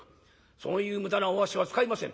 そういう無駄なお足は使いません。